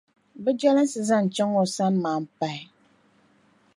bɛ jɛlinsi zaŋ chaŋ o sani maan pahi.